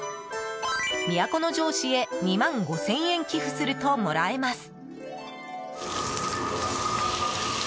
都城市へ２万５０００円寄付するともらえます。